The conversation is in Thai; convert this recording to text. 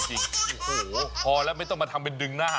โอ้โหพอแล้วไม่ต้องมาทำเป็นดึงหน้า